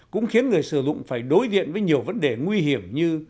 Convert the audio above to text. cũng khiến người sử dụng phải đối diện với nhiều vấn đề nguy hiểm như